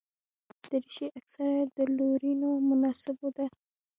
دریشي اکثره د لورینو مناسبو ده.